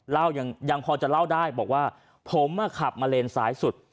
ยังพอจะเล่าได้บอกว่าผมขับมาเลนซ้ายสุด